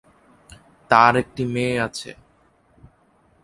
তাঁর একটি মেয়ে আছে।